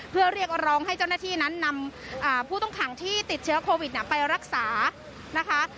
เพื่อเรียกร้องให้เจ้าหน้าที่นั้นนำผู้ต้องขังที่ติดเชื้อโควิดไปรักษานะคะ